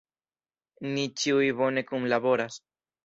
Ni ĉiuj bone kunlaboras.